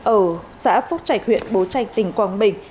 ở xã phúc trạch huyện bố trạch tỉnh quảng bình